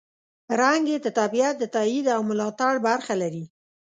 رنګ یې د طبیعت د تاييد او ملاتړ برخه لري.